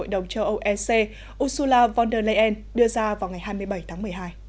hội đồng châu âu ec ursula von der leyen đưa ra vào ngày hai mươi bảy tháng một mươi hai